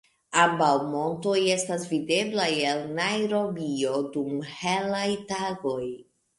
Ambaŭ montoj estas videblaj el Najrobio dum helaj tagoj.